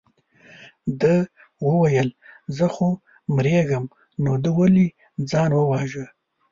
ده وویل زه خو مرېږم نو ده ولې ځان وواژه.